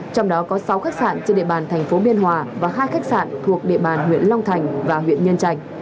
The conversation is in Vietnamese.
trong đó có sáu khách sạn trên địa bàn thành phố biên hòa và hai khách sạn thuộc địa bàn huyện long thành và huyện nhân trạch